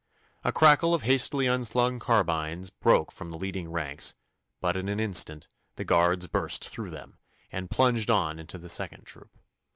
A crackle of hastily unslung carbines broke from the leading ranks, but in an instant the Guards burst through them and plunged on into the second troop.